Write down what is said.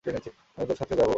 আমি তোর সাথে যাব।